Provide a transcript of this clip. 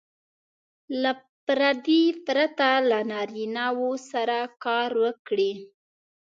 له پردې پرته له نارینه وو سره کار وکړي.